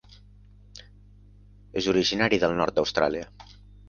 És originari del nord d'Austràlia.